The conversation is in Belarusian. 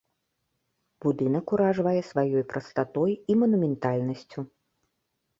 Будынак уражвае сваёй прастатой і манументальнасцю.